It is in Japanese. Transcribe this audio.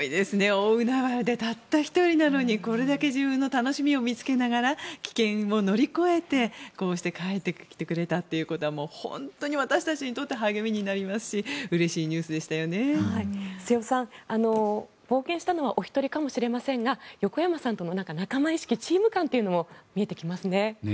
大海原でたった１人なのでこれだけ自分の楽しみを見つけながら危険を乗り越えてこうして帰ってきてくれたということは本当に私たちにとって励みになりますし瀬尾さん、冒険したのはおひとりかもしれませんが横山さんとの仲間意識チーム感というのも見えてきますね。